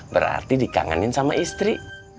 berarti dikangenin sama istri